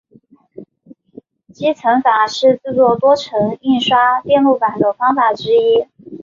积层法是制作多层印刷电路板的方法之一。